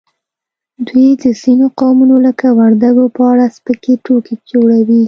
دوی د ځینو قومونو لکه وردګو په اړه سپکې ټوکې جوړوي